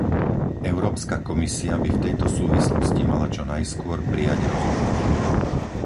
Európska komisia by v tejto súvislosti mala čo najskôr prijať rozhodnutie.